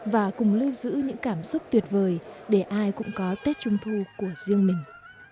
và cùng lưu giữ những cảm xúc tuyệt vời để ai cũng có tết trung thu của riêng mình